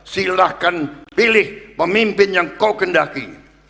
silahkan pilih pemimpin yang kau kendaki